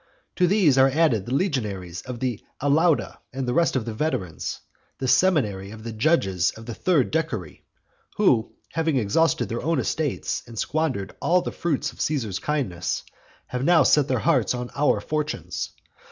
To these are added the legionaries of the Alauda and the rest of the veterans, the seminary of the judges of the third decury; who, having exhausted their own estates, and squandered all the fruits of Caesar's kindness, have now set their hearts on our fortunes.